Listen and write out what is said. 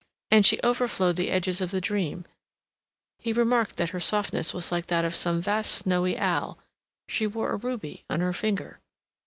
And she overflowed the edges of the dream; he remarked that her softness was like that of some vast snowy owl; she wore a ruby on her finger.